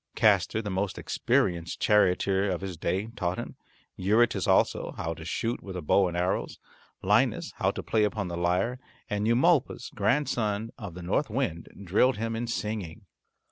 Castor, the most experienced charioteer of his day, taught him, Eurytus also, how to shoot with a bow and arrows; Linus how to play upon the lyre; and Eumolpus, grandson of the North Wind, drilled him in singing.